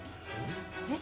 えっ？